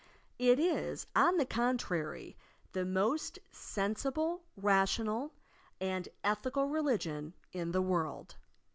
It is, on the con trary, the most sensible, rational and ethical religion in the world